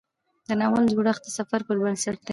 د ناول جوړښت د سفر پر بنسټ دی.